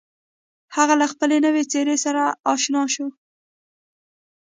هغه له خپلې نوې څېرې سره اشنا شو.